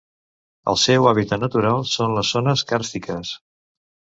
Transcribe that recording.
El seu hàbitat natural són les zones càrstiques.